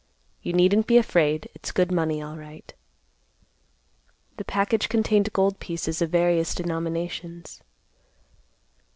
You needn't be afraid. It's good money alright." The package contained gold pieces of various denominations.